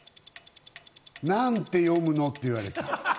なんて読むの？って言われた。